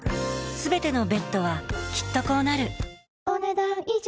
全てのベッドはきっとこうなるお、ねだん以上。